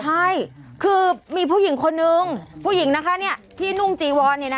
ใช่คือมีผู้หญิงคนนึงผู้หญิงนะคะที่นุ่งจีวอนเนี่ยนะ